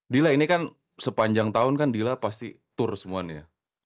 dila ini kan sepanjang tahun kan dila pasti tour semuanya